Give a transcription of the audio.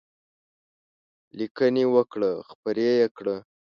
لیکنې وکړه خپرې یې کړه.